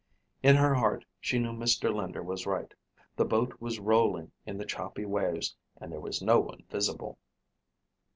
In her heart she knew Mr. Linder was right. The boat was rolling in the choppy waves and there was no one visible.